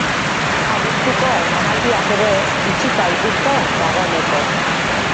Abuztuko emanaldiak ere itxita dituzte dagoeneko.